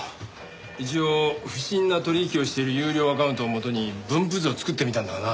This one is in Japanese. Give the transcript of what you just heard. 一応不審な取引をしている優良アカウントをもとに分布図を作ってみたんだがな